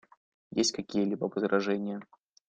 Есть ли какие-либо возражения?